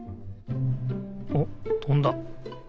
おっとんだ。